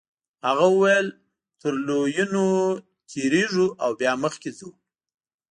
هغه وویل تر لویینو تیریږو او بیا مخکې ځو.